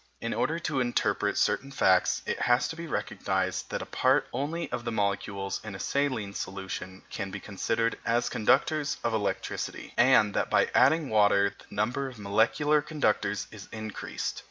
In order to interpret certain facts, it has to be recognized that a part only of the molecules in a saline solution can be considered as conductors of electricity, and that by adding water the number of molecular conductors is increased.